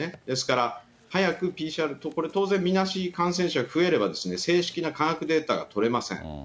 ですから、早くＰＣＲ、これ、当然みなし感染者が増えれば、正式な科学データが取れません。